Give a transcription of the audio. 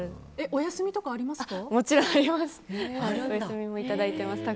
お休みもいただいてます。